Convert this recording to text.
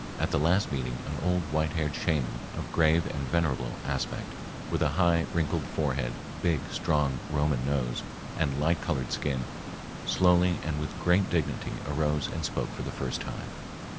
At the last meeting an old white haired shaman of grave and venerable aspect, with a high wrinkled forehead, big, strong Roman nose and light colored skin, slowly and with great dignity arose and spoke for the first time.